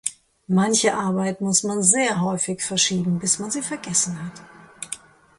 Manche Arbeit muss man sehr häufig verschieben, bis man sie vergessen hat.